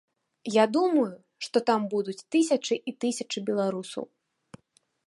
Я думаю, што там будуць тысячы і тысячы беларусаў.